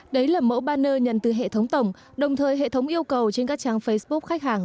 đấy là mẫu banner nhận từ hệ thống tổng đồng thời hệ thống yêu cầu trên các trang facebook khách hàng